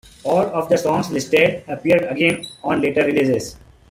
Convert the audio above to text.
All of the songs listed appeared again on later releases.